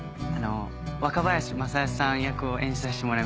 若林正恭さん役を演じさせてもらいます。